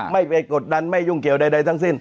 ไม่ไปกดดันไม่ยุ่งเกี่ยวใดทั้งสิ้น